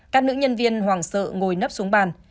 các nữ nhân viên hoàng sợ ngồi nấp xuống bàn